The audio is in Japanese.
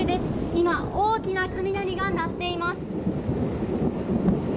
今、大きな雷が鳴っています。